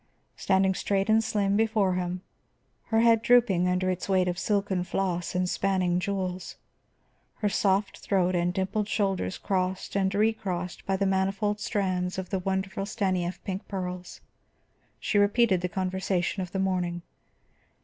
Standing straight and slim before him, her head drooping under its weight of silken floss and spanning jewels, her soft throat and dimpled shoulders crossed and recrossed by the manifold strands of the wonderful Stanief pink pearls, she repeated the conversation of the morning.